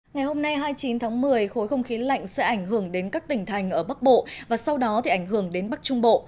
ngày hôm nay hai mươi chín tháng một mươi khối không khí lạnh sẽ ảnh hưởng đến các tỉnh thành ở bắc bộ và sau đó ảnh hưởng đến bắc trung bộ